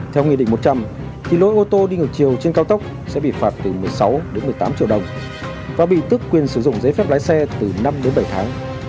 theo nghị định một trăm linh thì lỗi ô tô đi ngược chiều trên cao tốc sẽ bị phạt từ một mươi sáu một mươi tám triệu đồng và bị tức quyền sử dụng giấy phép lái xe từ năm đến bảy tháng